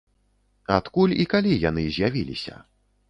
Адкуль і калі яны з'явіліся?